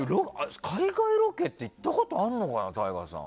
海外ロケって行ったことあるのかなＴＡＩＧＡさん。